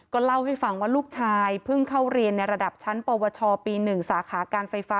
เล่าให้ฟังว่าลูกชายเพิ่งเข้าเรียนในระดับชั้นปวชปี๑สาขาการไฟฟ้า